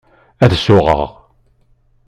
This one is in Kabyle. Ad suɣeɣ.